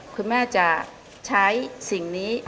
คุณแม่จะใช้สิ่งนี้